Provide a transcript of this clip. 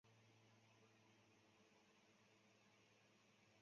兴安堇菜是堇菜科堇菜属的植物。